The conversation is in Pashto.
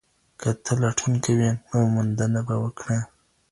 که ته لټون وکړې نو موندنه به وکړې.